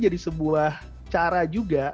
jadi sebuah cara juga